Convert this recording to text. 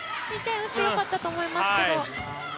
打ってよかったと思いますけど。